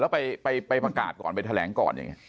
แล้วไปประกาศก่อนไปแถลงก่อนอย่างนี้